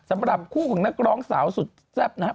สำหรับคู่ของนักร้องสาวสุดแซ่บนะครับ